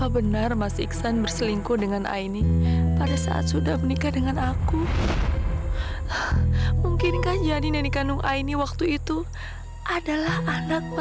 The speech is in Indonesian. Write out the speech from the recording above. sampai jumpa di video selanjutnya